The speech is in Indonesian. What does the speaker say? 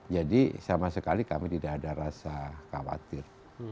jadi sama sekali kami tidak ada rasa khawatir